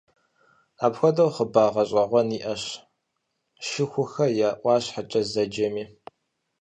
Апхуэдэу хъыбар гъэщӏэгъуэн иӏэщ «Шыхухэ я ӏуащхьэкӏэ» зэджэми.